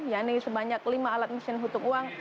ya ini sebanyak lima alat mesin hitung uang